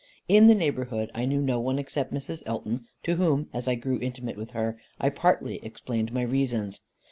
In the neighbourhood I knew no one except Mrs. Elton, to whom (as I grew intimate with her) I partly explained my reasons.